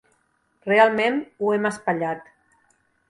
Realment ho hem espatllat.